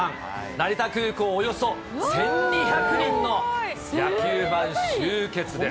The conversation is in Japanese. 成田空港、およそ１２００人の野球ファン集結です。